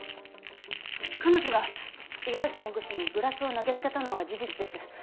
彼女が五十嵐弁護士にグラスを投げつけたのは事実です。